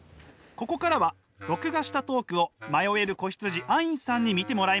ここからは録画したトークを迷える子羊アインさんに見てもらいました。